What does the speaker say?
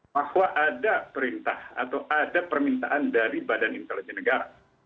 bahwa ada perintah atau ada permintaan dari badan intelijen negara